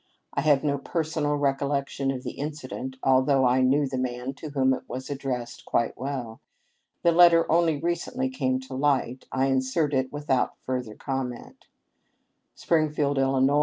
I have no personal recollection of the incident, although I knew the man to whom it was addressed quite well. The letter only recently came to light. I insert it without further comment. [Private.] " Springfield, III.